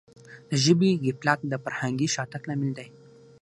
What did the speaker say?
د ژبي غفلت د فرهنګي شاتګ لامل دی.